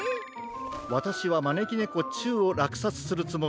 わたしはまねきねこ・中をらくさつするつもり。